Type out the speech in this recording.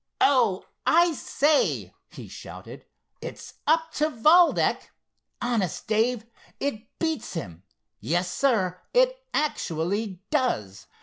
"Oh, I say," he shouted, "it's up to Valdec! Honest, Dave, it beats him. Yes, sir, it actually does!"